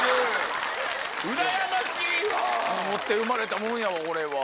持って生まれたもんやわこれは。